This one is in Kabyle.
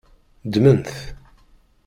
Ddmen-t.